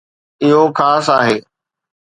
اهو خاص آهي